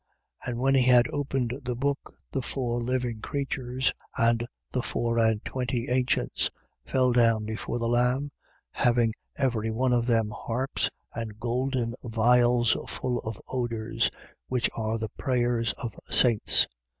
5:8. And when he had opened the book, the four living creatures and the four and twenty ancients fell down before the Lamb, having every one of them harps and golden vials full of odours, which are the prayers of saints.